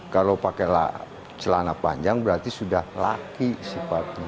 kalau pakai celana panjang berarti sudah laki sifatnya